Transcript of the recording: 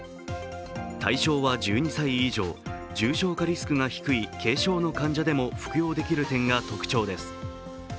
対象は１２歳以上、重症化リスクが低い軽症の患者でも服用できる点が特徴です。